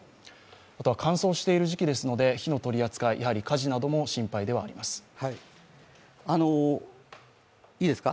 あとは乾燥している時期ですので火の取り扱い、やはり火事なども心配ではあります。